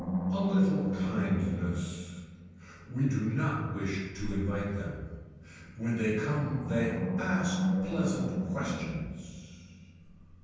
A little kindness. We do not wish to invite them. When they come they ask pleasant questions.